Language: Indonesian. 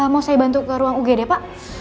mau saya bantu ke ruang ug deh pak